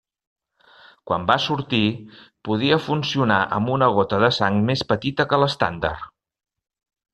Quan va sortir, podia funcionar amb una gota de sang més petita que l'estàndard.